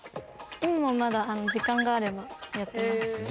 今もまだ時間があればやってますへえ